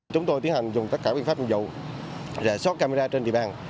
chúng tôi tiến hành dùng tất cả biện pháp hành dụng rè sóc camera trên địa bàn